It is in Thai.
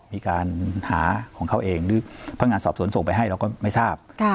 มีการหาของเขาเองหรือพนักงานสอบสวนส่งไปให้เราก็ไม่ทราบ